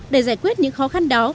để giải quyết những khó khăn đó